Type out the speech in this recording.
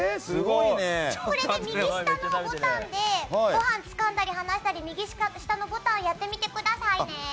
これで右下のボタンでごはんをつかんだり放したり右下のボタンやってみてくださいね。